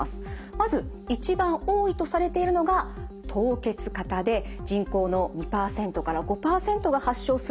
まず一番多いとされているのが凍結肩で人口の２５％が発症すると報告されています。